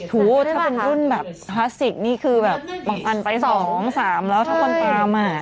ถ้าเป็นรุ่นแบบคลาสสิกนี่คือแบบบางอันไป๒๓แล้วถ้าคนตามอ่ะ